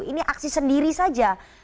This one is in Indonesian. ini aksi sendiri saja